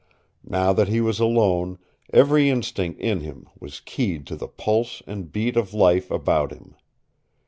Now that he was alone every instinct in him was keyed to the pulse and beat of life about him.